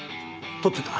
撮ってた？